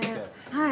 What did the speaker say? はい。